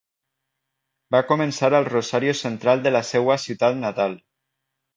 Va començar al Rosario Central de la seua ciutat natal.